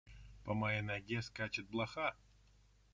По моей ноге скачет блоха.